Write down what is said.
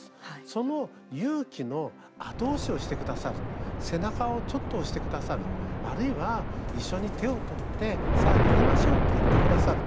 その勇気の後押しをしてくださる背中をちょっと押してくださるあるいは、一緒に手を取ってさあ、逃げましょうって言ってくださる。